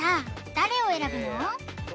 誰を選ぶの？